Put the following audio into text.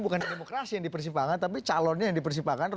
bukan demokrasi yang di persimpangan tapi calonnya yang dipersipakan